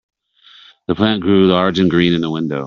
The plant grew large and green in the window.